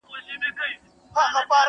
هم لقمان مي ستړی کړی هم اکسیر د حکیمانو!.